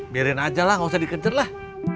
biarin aja lah nggak usah dikejar lah